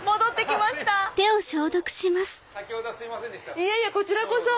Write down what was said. いえいえこちらこそ。